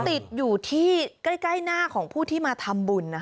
ติดอยู่ที่ใกล้หน้าของผู้ที่มาทำบุญ